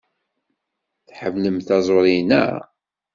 Tḥemmlem taẓuri, naɣ?